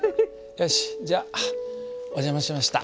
よしじゃお邪魔しました。